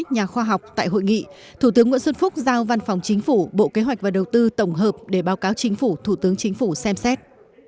nhà khoa học tại hội nghị thủ tướng nguyễn xuân phúc giao văn phòng chính phủ bộ kế hoạch và đầu tư tổng hợp để báo cáo chính phủ thủ tướng chính phủ xem xét